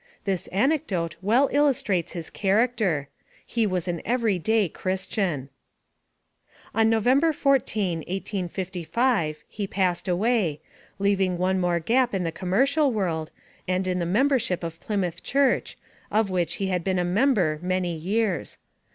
This anecdote well illustrates his character. He was an everyday Christian. On November 14, 1885, he passed away, leaving one more gap in the commercial world, and in the membership of Plymouth Church, of which he had been a member many years.